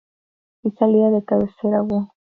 Y salida de cabecera Bo.